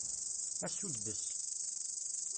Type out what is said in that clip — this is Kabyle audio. Asuddes.